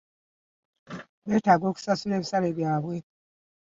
Beetaaga okusasula ebisale byabwe .